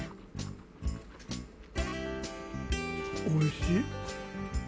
おいしい。